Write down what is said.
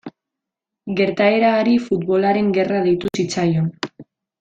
Gertaera hari Futbolaren Gerra deitu zitzaion.